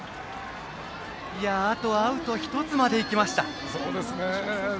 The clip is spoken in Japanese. あとアウト１つまで行きました。